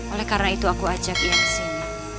oleh karena itu aku ajak ia ke sini